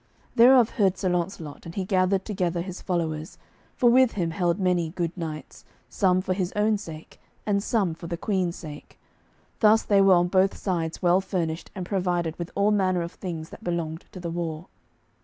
Thereof heard Sir Launcelot, and he gathered together his followers, for with him held many good knights, some for his own sake, and some for the Queen's sake. Thus they were on both sides well furnished and provided with all manner of things that belonged to the war.